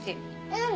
うん！